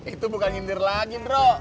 itu bukan ngindir lagi drok